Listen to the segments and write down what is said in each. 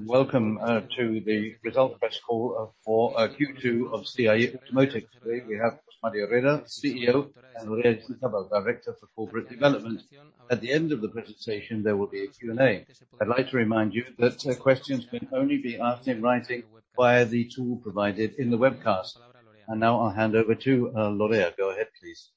Welcome to the results press call for Q2 of CIE Automotive. Today we have Jesús María Herrera, CEO, and Lorea Aristizabal, Director for Corporate Development. At the end of the presentation, there will be a Q&A. I'd like to remind you that questions can only be asked in writing via the tool provided in the webcast. Now I'll hand over to Lorea. Go ahead, please.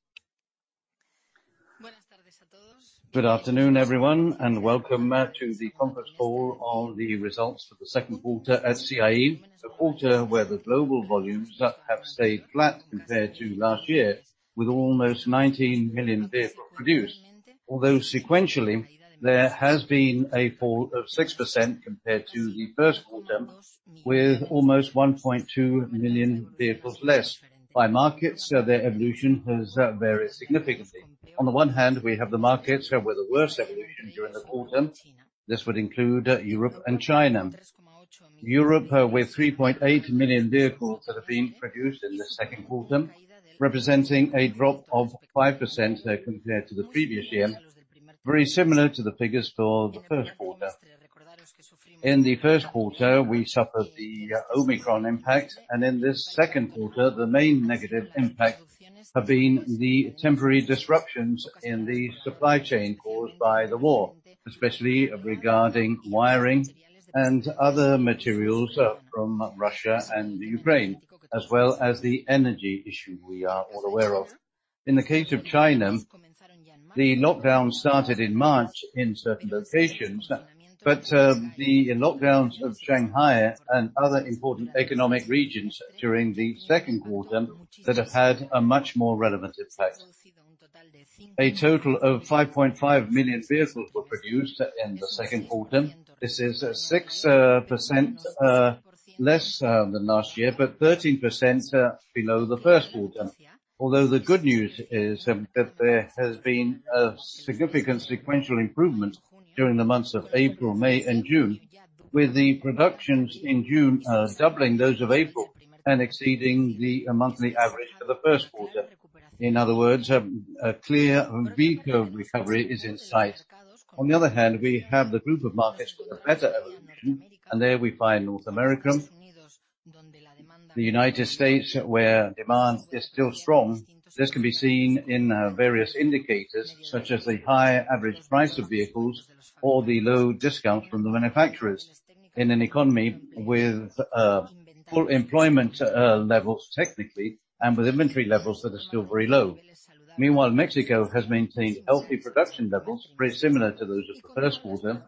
Good afternoon, everyone, and welcome to the conference call on the results for the second quarter at CIE, the quarter where the global volumes have stayed flat compared to last year with almost 19 million vehicles produced. Although sequentially, there has been a fall of 6% compared to the first quarter, with almost 1.2 million vehicles less. By markets, their evolution has varied significantly. On the one hand, we have the markets with the worst evolution during the quarter. This would include Europe and China. Europe with 3.8 million vehicles that have been produced in the second quarter, representing a drop of 5% compared to the previous year, very similar to the figures for the first quarter. In the first quarter, we suffered the Omicron impact, and in this second quarter, the main negative impact have been the temporary disruptions in the supply chain caused by the war, especially regarding wiring and other materials from Russia and Ukraine, as well as the energy issue we are all aware of. In the case of China, the lockdown started in March in certain locations, but the lockdowns of Shanghai and other important economic regions during the second quarter that have had a much more relevant effect. A total of 5.5 million vehicles were produced in the second quarter. This is 6% less than last year, but 13% below the first quarter. Although the good news is that there has been a significant sequential improvement during the months of April, May and June, with the productions in June doubling those of April and exceeding the monthly average for the first quarter. In other words, a clear V-shaped recovery is in sight. On the other hand, we have the group of markets with a better evolution, and there we find North America. The United States, where demand is still strong. This can be seen in various indicators such as the high average price of vehicles or the low discounts from the manufacturers. In an economy with full employment levels technically, and with inventory levels that are still very low. Meanwhile, Mexico has maintained healthy production levels, very similar to those of the first quarter.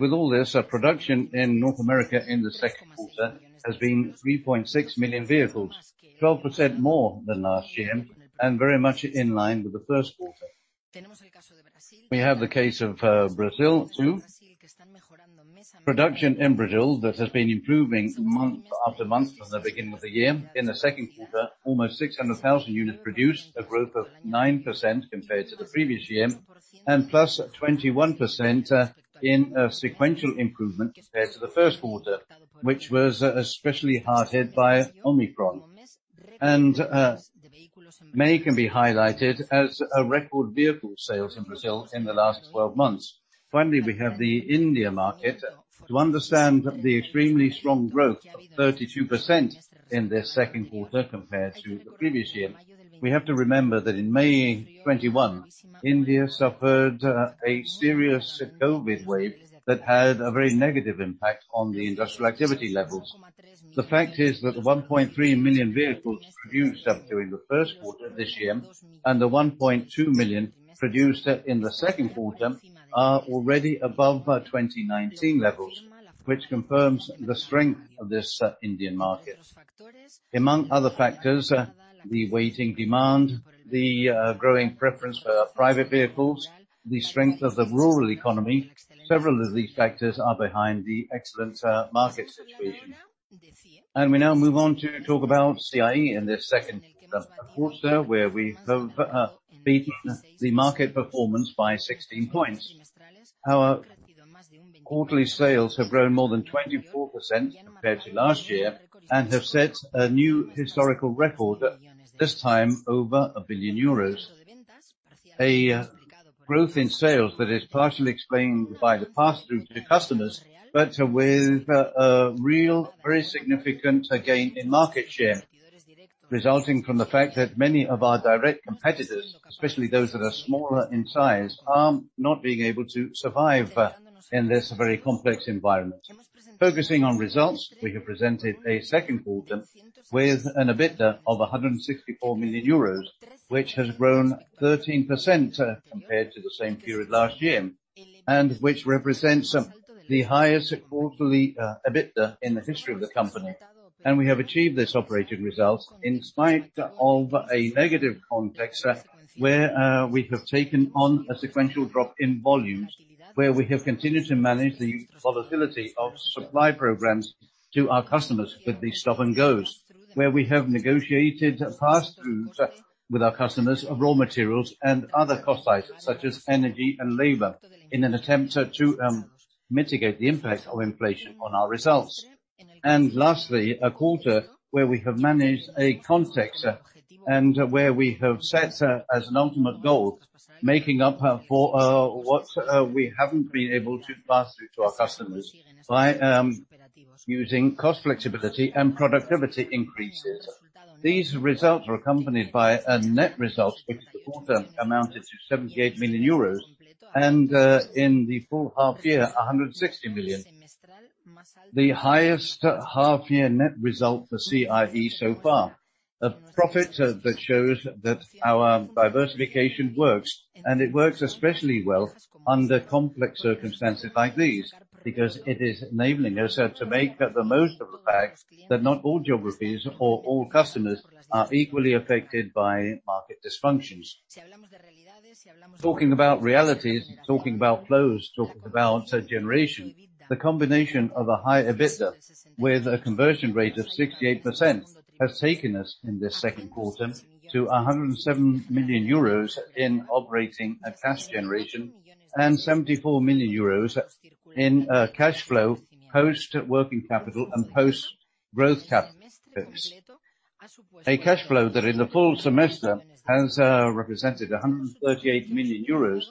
With all this, production in North America in the second quarter has been 3.6 million vehicles, 12% more than last year and very much in line with the first quarter. We have the case of Brazil, too. Production in Brazil that has been improving month after month from the beginning of the year. In the second quarter, almost 600,000 units produced, a growth of 9% compared to the previous year, and +21% in a sequential improvement compared to the first quarter, which was especially hard hit by Omicron. May can be highlighted as a record vehicle sales in Brazil in the last twelve months. Finally, we have the India market. To understand the extremely strong growth of 32% in this second quarter compared to the previous year, we have to remember that in May 2021, India suffered a serious COVID wave that had a very negative impact on the industrial activity levels. The fact is that the 1.3 million vehicles produced up to in the first quarter of this year and the 1.2 million produced in the second quarter are already above our 2019 levels, which confirms the strength of this Indian market. Among other factors, the latent demand, the growing preference for private vehicles, the strength of the rural economy. Several of these factors are behind the excellent market situation. We now move on to talk about CIE in this second quarter, where we've beaten the market performance by 16 points. Our quarterly sales have grown more than 24% compared to last year and have set a new historical record, this time over 1 billion euros. A growth in sales that is partially explained by the pass-through to customers, but with a real, very significant gain in market share, resulting from the fact that many of our direct competitors, especially those that are smaller in size, are not being able to survive in this very complex environment. Focusing on results, we have presented a second quarter with an EBITDA of 164 million euros, which has grown 13% compared to the same period last year, and which represents the highest quarterly EBITDA in the history of the company. We have achieved this operating result in spite of a negative context, where we have taken on a sequential drop in volumes, where we have continued to manage the volatility of supply programs to our customers with the stop and goes, where we have negotiated pass-throughs with our customers of raw materials and other cost items such as energy and labor in an attempt to mitigate the impact of inflation on our results. Lastly, a quarter where we have managed a context and where we have set as an ultimate goal, making up for what we haven't been able to pass through to our customers by using cost flexibility and productivity increases. These results were accompanied by a net result, which for the quarter amounted to 78 million euros, and in the full half year, 160 million. The highest half year net result for CIE so far. A profit that shows that our diversification works, and it works especially well under complex circumstances like these, because it is enabling us to make the most of the fact that not all geographies or all customers are equally affected by market dysfunctions. Talking about realities, talking about flows, talking about generation, the combination of a high EBITDA with a conversion rate of 68% has taken us in this second quarter to 107 million euros in operating and cash generation, and 74 million euros in cash flow, post working capital and post growth CapEx. A cash flow that in the full semester has represented 138 million euros,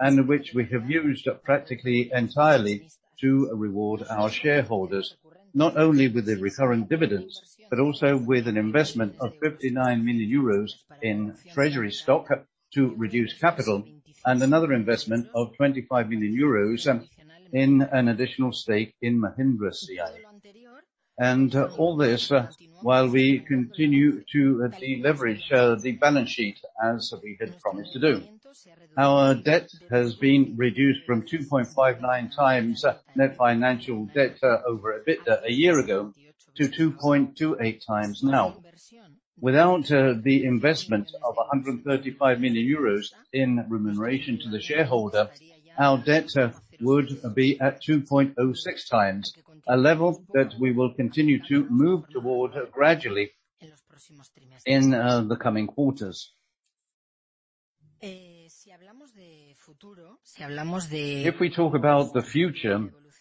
and which we have used practically entirely to reward our shareholders, not only with the recurring dividends, but also with an investment of 59 million euros in treasury stock to reduce capital, and another investment of 25 million euros in an additional stake in Mahindra CIE. All this, while we continue to deleverage the balance sheet as we had promised to do. Our debt has been reduced from 2.59x net financial debt over EBITDA a year ago to 2.28x now. Without the investment of 135 million euros in remuneration to the shareholder, our debt would be at 2.06x, a level that we will continue to move toward gradually in the coming quarters. If we talk about the future,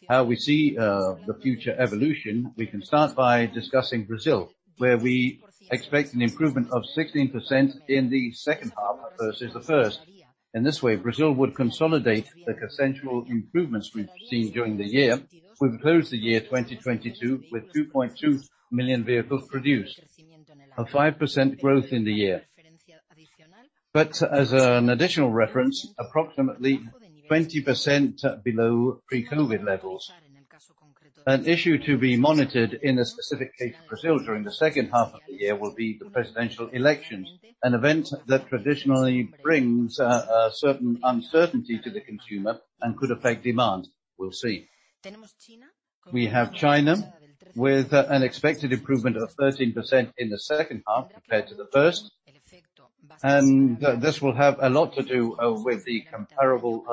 how we see the future evolution, we can start by discussing Brazil, where we expect an improvement of 16% in the second half versus the first. In this way, Brazil would consolidate the consensual improvements we've seen during the year. We propose the year 2022 with 2.2 million vehicles produced, a 5% growth in the year. As an additional reference, approximately 20% below pre-COVID levels. An issue to be monitored in a specific case for Brazil during the second half of the year will be the presidential elections, an event that traditionally brings a certain uncertainty to the consumer and could affect demand. We'll see. We have China with an expected improvement of 13% in the second half compared to the first. This will have a lot to do with the comparable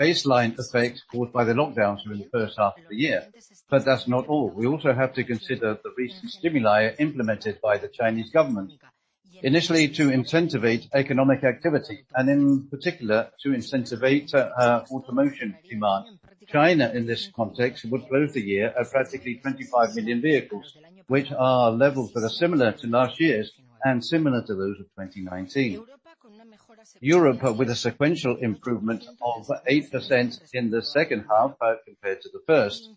baseline effects caused by the lockdowns during the first half of the year. That's not all. We also have to consider the recent stimuli implemented by the Chinese government, initially to incentivize economic activity, and in particular, to incentivize automotive demand. China, in this context, would close the year at practically 25 million vehicles, which are levels that are similar to last year's and similar to those of 2019. Europe, with a sequential improvement of 8% in the second half compared to the first,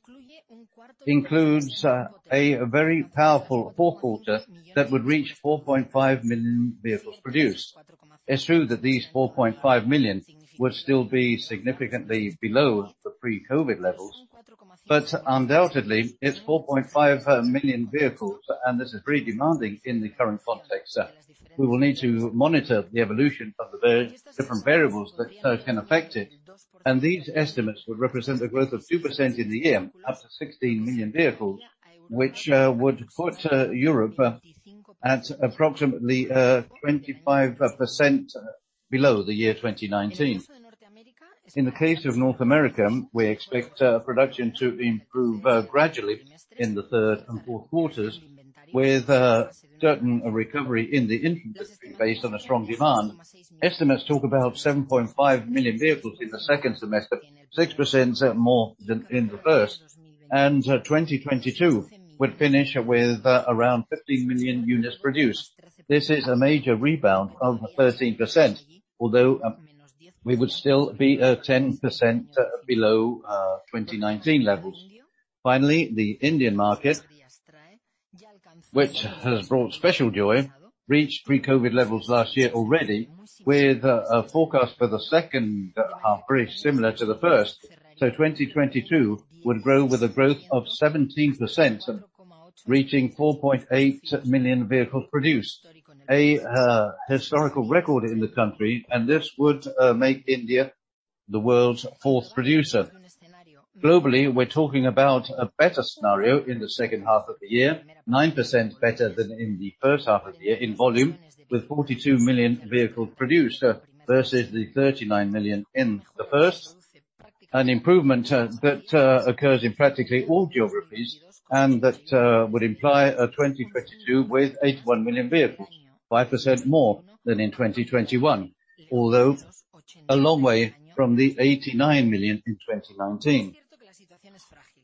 includes a very powerful fourth quarter that would reach 4.5 million vehicles produced. It's true that these 4.5 million would still be significantly below the pre-COVID levels, but undoubtedly, it's 4.5 million vehicles, and this is pretty demanding in the current context. We will need to monitor the evolution of the different variables that can affect it. These estimates would represent the growth of 2% in the year, up to 16 million vehicles, which would put Europe at approximately 25% below the year 2019. In the case of North America, we expect production to improve gradually in the third and fourth quarters with certain recovery in the inventory based on a strong demand. Estimates talk about 7.5 million vehicles in the second semester, 6% more than in the first. 2022 would finish with around 15 million units produced. This is a major rebound of 13%, although we would still be 10% below 2019 levels. Finally, the Indian market, which has brought special joy, reached pre-COVID levels last year already, with a forecast for the second half pretty similar to the first. 2022 would grow with a growth of 17%, reaching 4.8 million vehicles produced, historical record in the country, and this would make India the world's fourth producer. Globally, we're talking about a better scenario in the second half of the year, 9% better than in the first half of the year in volume, with 42 million vehicles produced versus the 39 million in the first, an improvement that occurs in practically all geographies and that would imply a 2022 with 81 million vehicles, 5% more than in 2021, although a long way from the 89 million in 2019.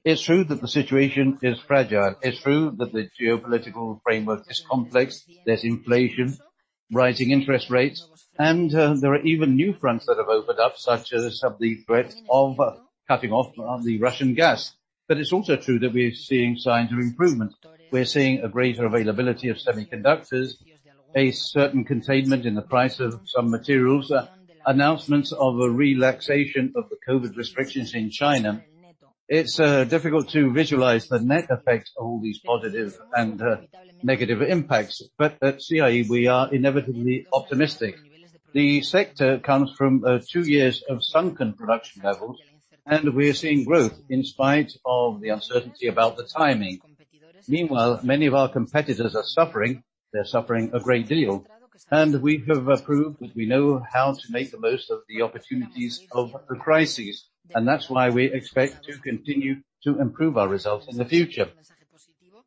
It's true that the situation is fragile. It's true that the geopolitical framework is complex. There's inflation, rising interest rates, and there are even new fronts that have opened up, such as the threat of cutting off the Russian gas. It's also true that we're seeing signs of improvement. We're seeing a greater availability of semiconductors, a certain containment in the price of some materials, announcements of a relaxation of the COVID restrictions in China. It's difficult to visualize the net effects of all these positive and negative impacts. At CIE, we are inevitably optimistic. The sector comes from two years of sunken production levels, and we are seeing growth in spite of the uncertainty about the timing. Meanwhile, many of our competitors are suffering. They're suffering a great deal. We have proved that we know how to make the most of the opportunities of the crisis, and that's why we expect to continue to improve our results in the future.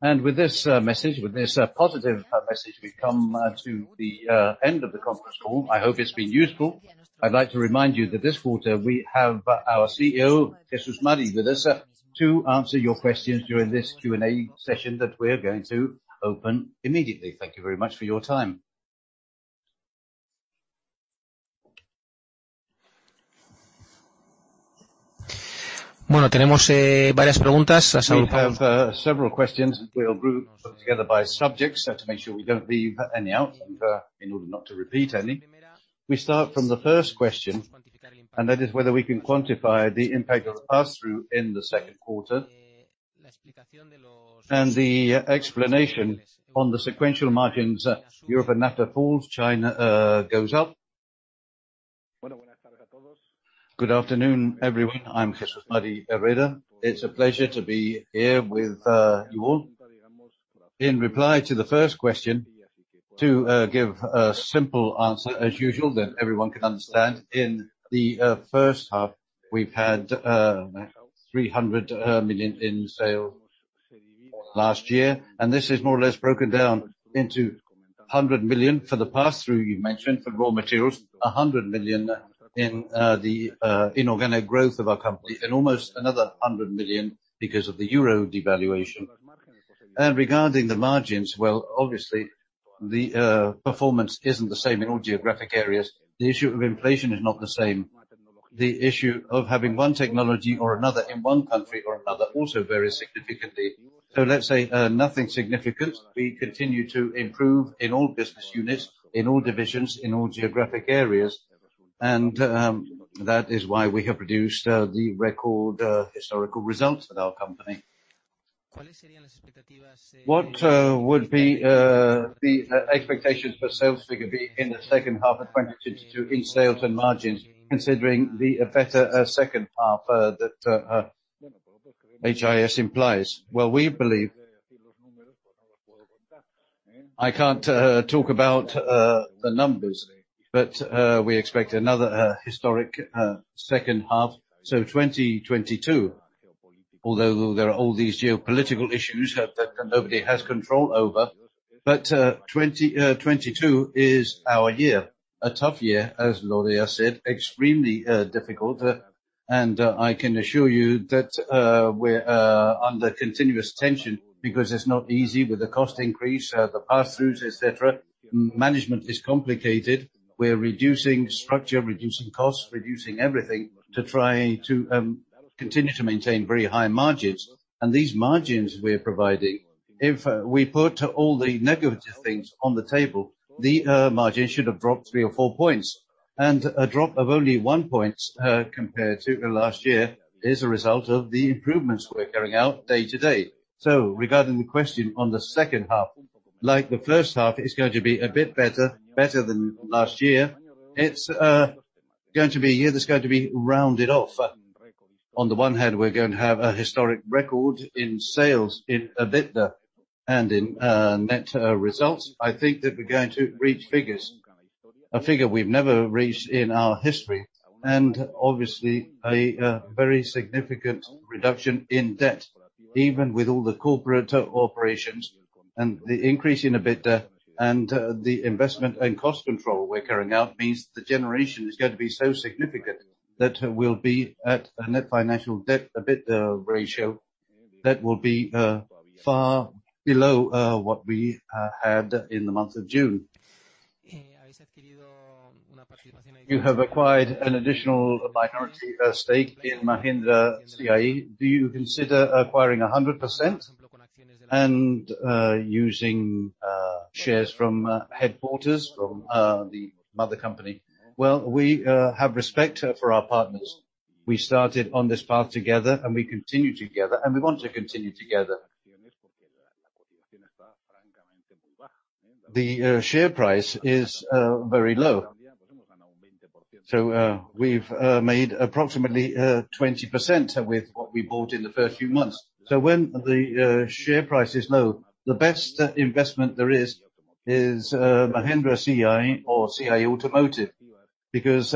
With this message, with this positive message, we come to the end of the conference call. I hope it's been useful. I'd like to remind you that this quarter we have our CEO, Jesús María Herrera, with us to answer your questions during this Q&A session that we're going to open immediately. Thank you very much for your time. We have several questions. We'll group them together by subject, so to make sure we don't leave any out and in order not to repeat any. We start from the first question, and that is whether we can quantify the impact of the pass-through in the second quarter. The explanation on the sequential margins, Europe and NAFTA fall, China goes up. Good afternoon, everyone. I'm Jesús María Herrera. It's a pleasure to be here with you all. In reply to the first question, to give a simple answer as usual that everyone can understand, in the first half, we've had 300 million in sales last year, and this is more or less broken down into 100 million for the pass-through you mentioned for raw materials, 100 million in the inorganic growth of our company, and almost another 100 million because of the euro devaluation. Regarding the margins, well, obviously, the performance isn't the same in all geographic areas. The issue of inflation is not the same. The issue of having one technology or another in one country or another also varies significantly. Let's say nothing significant. We continue to improve in all business units, in all divisions, in all geographic areas. That is why we have produced the record historical results at our company. What would be the expectations for sales figure be in the second half of 2022 in sales and margins, considering the better second half that IHS implies? We believe. I can't talk about the numbers, but we expect another historic second half. 2022, although there are all these geopolitical issues that nobody has control over, but 2022 is our year, a tough year, as Lorea said, extremely difficult. I can assure you that we're under continuous tension because it's not easy with the cost increase, the pass-throughs, et cetera. Management is complicated. We're reducing structure, reducing costs, reducing everything to try to continue to maintain very high margins. These margins we're providing, if we put all the negative things on the table, the margin should have dropped three or four points. A drop of only one point, compared to last year, is a result of the improvements we're carrying out day to day. Regarding the question on the second half, like the first half, it's going to be a bit better than last year. It's going to be a year that's going to be rounded off. On the one hand, we're going to have a historic record in sales in EBITDA and in net results. I think that we're going to reach a figure we've never reached in our history, and obviously a very significant reduction in debt, even with all the corporate operations and the increase in EBITDA. The investment and cost control we're carrying out means the generation is going to be so significant that we'll be at a net financial debt, EBITDA ratio that will be far below what we had in the month of June. You have acquired an additional minority stake in Mahindra CIE. Do you consider acquiring 100% and using shares from headquarters from the mother company? Well, we have respect for our partners. We started on this path together, and we continue together, and we want to continue together. The share price is very low. We've made approximately 20% with what we bought in the first few months. When the share price is low, the best investment there is Mahindra CIE or CIE Automotive. Because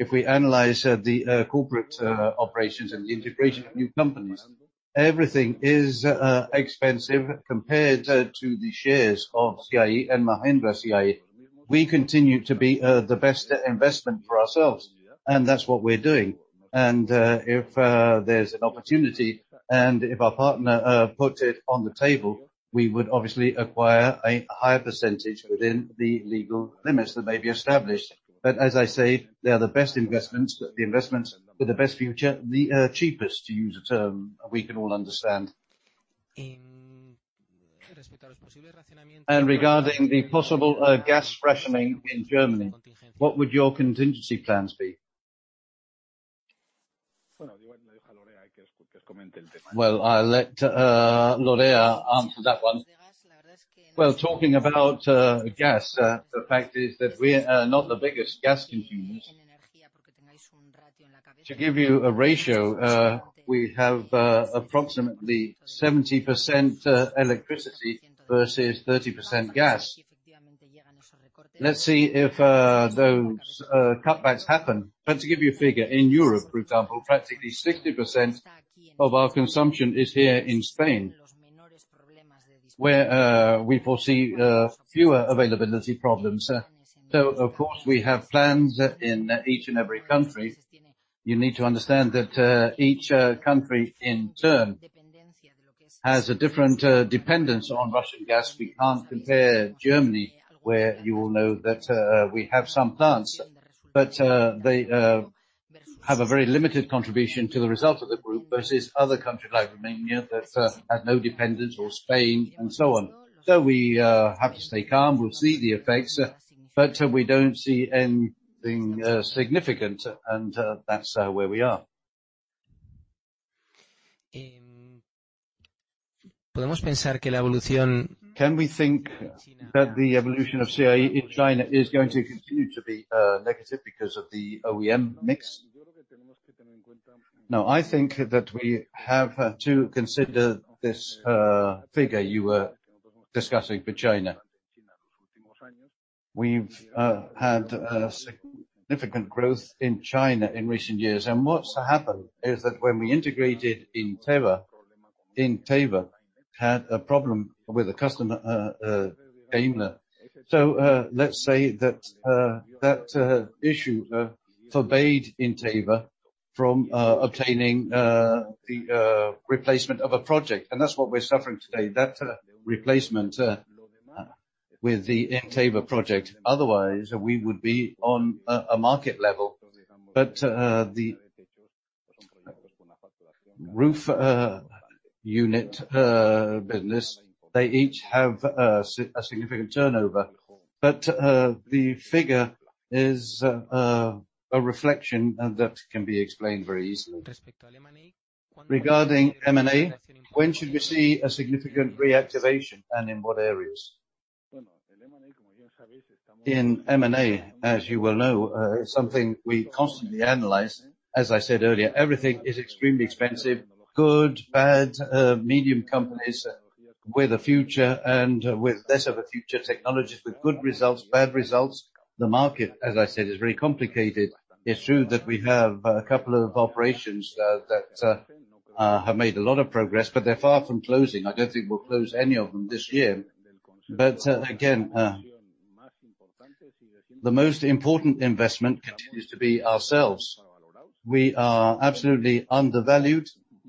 if we analyze the corporate operations and the integration of new companies, everything is expensive compared to the shares of CIE and Mahindra CIE. We continue to be the best investment for ourselves, and that's what we're doing. If there's an opportunity, and if our partner puts it on the table, we would obviously acquire a higher percentage within the legal limits that may be established. As I say, they are the best investments, the investments with the best future, the cheapest, to use a term we can all understand. Regarding the possible gas rationing in Germany, what would your contingency plans be? I'll let Lorea answer that one. Talking about gas, the fact is that we are not the biggest gas consumers. To give you a ratio, we have approximately 70% electricity versus 30% gas. Let's see if those cutbacks happen. To give you a figure, in Europe, for example, practically 60% of our consumption is here in Spain, where we foresee fewer availability problems. So of course, we have plans in each and every country. You need to understand that, each country in turn has a different dependence on Russian gas. We can't compare Germany, where you will know that, we have some plants, but, they have a very limited contribution to the result of the group versus other countries like Romania that, have no dependence, or Spain and so on. We have to stay calm. We'll see the effects, but we don't see anything significant, and that's where we are. Can we think that the evolution of CIE in China is going to continue to be negative because of the OEM mix? Now, I think that we have to consider this figure you were discussing for China. We've had a significant growth in China in recent years, and what's happened is that when we integrated Inteva had a problem with a customer, Daimler. Let's say that that issue forbade Inteva from obtaining the replacement of a project, and that's what we're suffering today. That replacement with the Inteva project. Otherwise, we would be on a market level. The roof unit business, they each have a significant turnover. The figure is a reflection that can be explained very easily. Regarding M&A, when should we see a significant reactivation, and in what areas? In M&A, as you well know, it's something we constantly analyze. As I said earlier, everything is extremely expensive. Good, bad, medium companies with a future and with less of a future, technologies with good results, bad results. The market, as I said, is very complicated. It's true that we have a couple of operations that have made a lot of progress, but they're far from closing. I don't think we'll close any of them this year. Again, the most important investment continues to be ourselves. We are absolutely undervalued.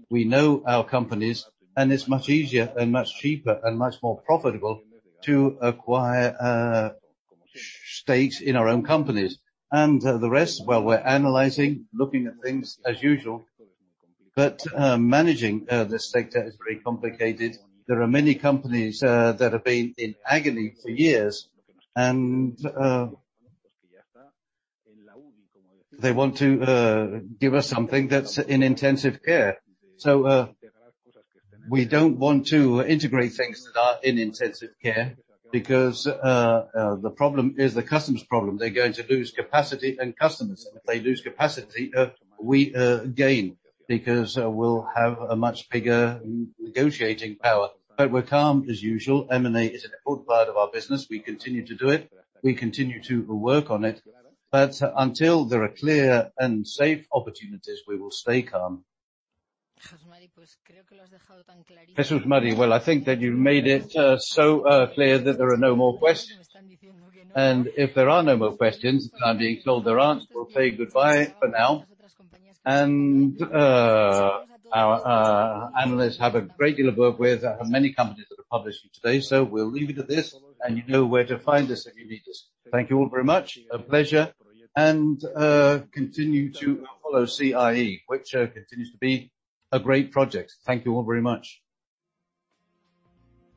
We know our companies, and it's much easier and much cheaper and much more profitable to acquire stakes in our own companies. The rest, well, we're analyzing, looking at things as usual. Managing this sector is very complicated. There are many companies that have been in agony for years and they want to give us something that's in intensive care. We don't want to integrate things that are in intensive care because the problem is the customer's problem. They're going to lose capacity and customers. If they lose capacity, we gain because we'll have a much bigger negotiating power. We're calm as usual. M&A is an important part of our business. We continue to do it. We continue to work on it. Until there are clear and safe opportunities, we will stay calm. This is Jesús María Herrera. Well, I think that you made it so clear that there are no more questions. If there are no more questions, I'm being told there aren't, we'll say goodbye for now. Our analysts have a great deal of work with many companies that are publishing today. We'll leave it at this, and you know where to find us if you need us. Thank you all very much. A pleasure. Continue to follow CIE, which continues to be a great project. Thank you all very much.